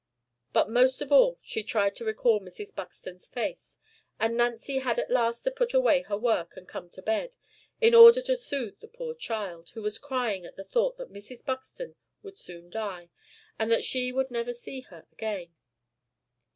But most of all she tried to recall Mrs. Buxton's face; and Nancy had at last to put away her work, and come to bed, in order to soothe the poor child, who was crying at the thought that Mrs. Buxton would soon die, and that she should never see her again.